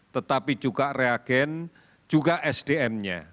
tetapi juga reagen juga sdm nya